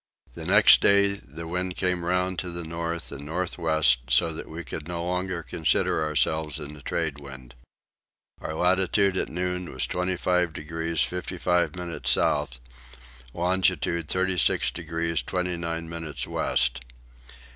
The next day the wind came round to the north and north west so that we could no longer consider ourselves in the tradewind. Our latitude at noon was 25 degrees 55 minutes south, longitude 36 degrees 29 minutes west.